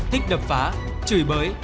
thích đập phá chửi bới